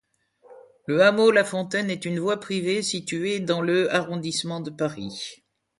Le hameau La Fontaine est une voie privée située dans le arrondissement de Paris.